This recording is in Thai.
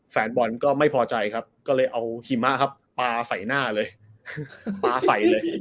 แฟนบอลก็ไม่พอใจครับก็เลยเอาหิมะปลาใส่หน้าเลย